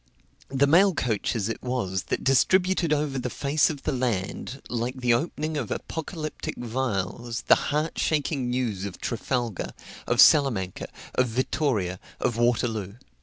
The mail coaches it was that distributed over the face of the land, like the opening of apocalyptic vials, the heart shaking news of Trafalgar, of Salamanca, of Vittoria, of Waterloo.